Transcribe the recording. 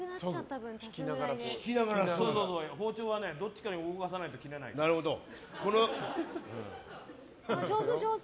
包丁はどっちかに動かさないと上手、上手。